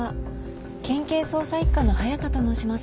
県警捜査一課の隼田と申します。